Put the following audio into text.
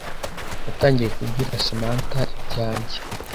Natangiye kubwira Samantha ibyanjye,